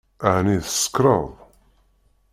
Ɛni tsekṛeḍ?